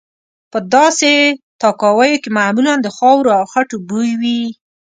په داسې تاکاویو کې معمولا د خاورو او خټو بوی وي.